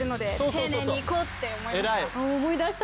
丁寧にいこうって思いました。